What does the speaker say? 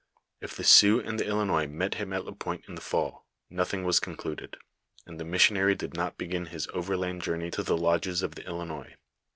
If the Sioux and Ilinois met him at Lapointe in the fall, nothing was concluded ; and the missionary did not begin his overland journey to the lodges of the Ilinois.